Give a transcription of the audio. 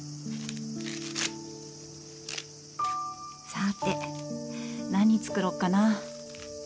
さーて何作ろうかな。